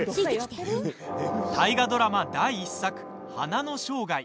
大河ドラマ第１作「花の生涯」。